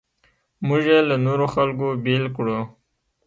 موږ یې له نورو خلکو بېل کړو.